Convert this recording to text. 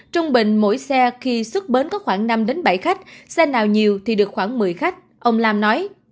trung bình mỗi xe khi xuất bến có khoảng năm bảy khách xe nào nhiều thì được khoảng một mươi khách ông lam nói